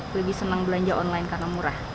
lebih senang belanja online karena murah